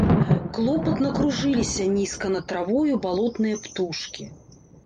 Клопатна кружыліся нізка над травою балотныя птушкі.